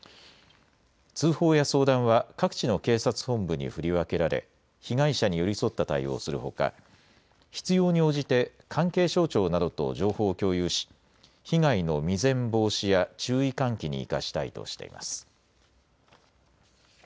通報や相談は各地の警察本部に振り分けられ被害者に寄り添った対応をするほか、必要に応じて関係省庁などと情報を共有し被害の未然防止や注意喚起に生かしたいとしています。